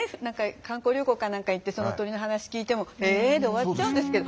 観光旅行か何か行ってその鳥の話を聞いても「へえ」で終わっちゃうんですけど。